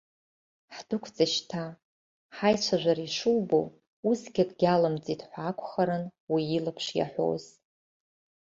Ҳдәықәҵа шьҭа, ҳаицәажәара ишубо усгьы акгьы алымҵит ҳәа акәхарын уи илаԥш иаҳәоз.